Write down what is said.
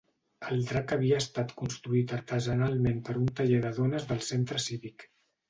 El drac havia estat construït artesanalment per un taller de dones del Centre Cívic.